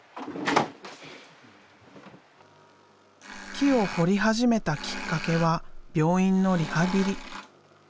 木を彫り始めたきっかけは病院のリハビリ。